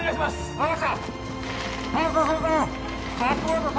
分かった！